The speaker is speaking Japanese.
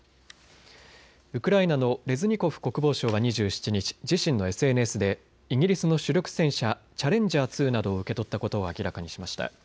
ウクライナのレズニコフ国防相は２７日、自身のＳＮＳでイギリスの主力戦車、チャレンジャー２などを受け取ったことを明らかにしました。